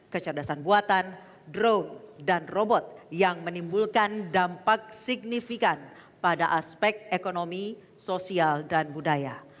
kecerdasan buatan drone dan robot yang menimbulkan dampak signifikan pada aspek ekonomi sosial dan budaya